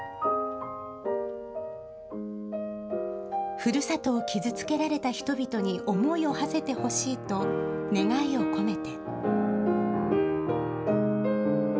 ふるさとを傷つけられた人々に思いをはせてほしいと、願いを込めて。